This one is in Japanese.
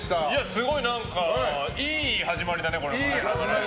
すごい、何か、いい始まりだね。